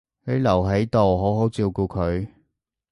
你留喺度好好照顧住佢